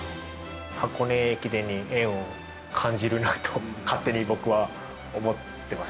箱根駅伝に縁を感じるなと、勝手に僕は思ってます。